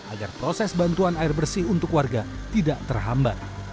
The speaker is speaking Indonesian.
agar proses bantuan air bersih untuk warga tidak terhambat